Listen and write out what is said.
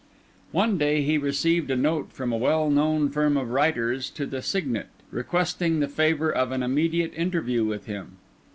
One day he received a note from a well known firm of Writers to the Signet, requesting the favour of an immediate interview with him.